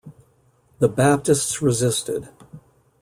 The Baptists resisted.